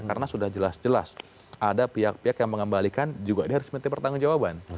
karena sudah jelas jelas ada pihak pihak yang mengembalikan juga dia harus minta pertanggung jawaban